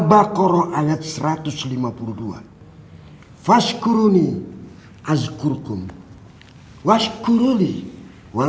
iya marahnya juga benar